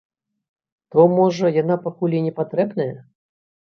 То, можа, яна пакуль і не патрэбная?